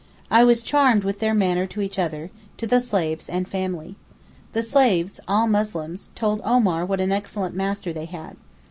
I was charmed with their manner to each other, to the slaves and family. The slaves (all Muslims) told Omar what an excellent master they had.